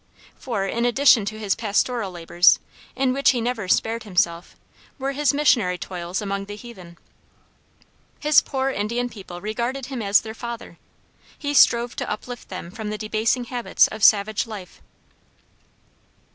For, in addition to his pastoral labors, in which he never spared himself, were his missionary toils among the heathen. His poor Indian people regarded him as their father. He strove to uplift them from the debasing habits of savage life.